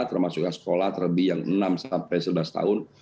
termasuk yang sekolah terlebih yang enam sampai sebelas tahun